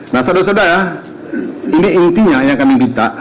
nah saudara saudara ini intinya yang kami minta